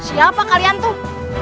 siapa kalian tuh